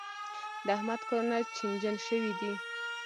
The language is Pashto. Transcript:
د احمد کارونه چينجن شوي دي.